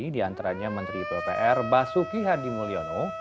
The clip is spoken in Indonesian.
diantaranya menteri bpr basuki hadi mulyono